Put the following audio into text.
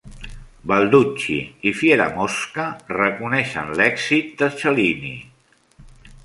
Balducci i Fieramosca reconeixen l'èxit de Cellini.